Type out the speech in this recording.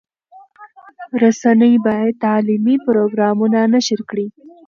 رسنۍ باید تعلیمي پروګرامونه نشر کړي.